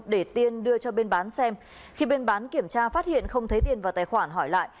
để tiên đưa cho bên bán xem khi bên bán kiểm tra phát hiện không thấy tiền vào tài khoản hỏi lại